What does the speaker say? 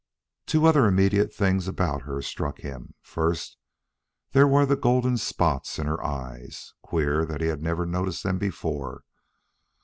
Two other immediate things about her struck him. First, there were the golden spots in her eyes. Queer that he had never noticed them before.